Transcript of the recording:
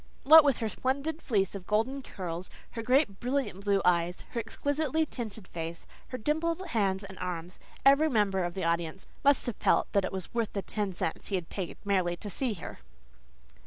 What with her splendid fleece of golden curls, her great, brilliant blue eyes, her exquisitely tinted face, her dimpled hands and arms, every member of the audience must have felt it was worth the ten cents he had paid merely to see her.